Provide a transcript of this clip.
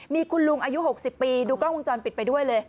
มีคุณลุงอายุ๖๐ปีดูกล้องวงจรปิดไปด้วยเลย